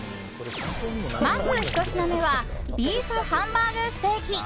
まず１品目はＢＥＥＦハンバーグステーキ。